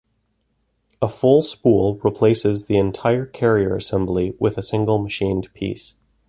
A full spool replaces the entire carrier assembly with a single machined piece.